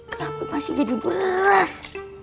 kenapa masih jadi beras